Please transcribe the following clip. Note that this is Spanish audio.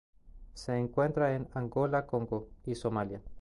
Se encuentra en Angola Congo y Somalia.